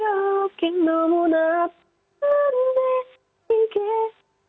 akhirnya kamu ya udah beresiko dengan aku